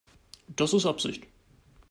Das ist Absicht.